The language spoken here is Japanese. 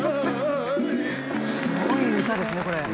すごい歌ですねこれ。